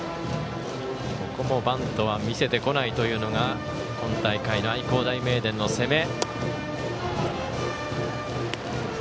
ここはバントは見せてこないというのが今大会の愛工大名電の攻め。